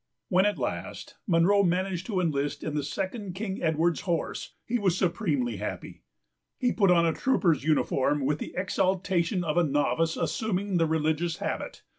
When at last Munro managed to enlist in the 2nd King Edward's Horse, he was supremely happy. He put on a trooper's uniform with the exaltation of a novice assuming the religious habit.